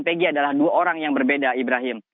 pg adalah dua orang yang berbeda ibrahim